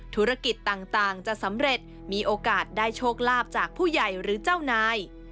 ธุรกิจต่างจะสำเร็จมีโอกาสได้โชคลาภจากผู้ใหญ่หรือเจ้านาย